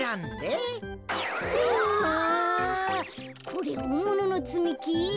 これほんもののつみき？